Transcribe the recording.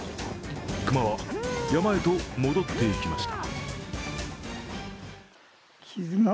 熊は山へと戻っていきました。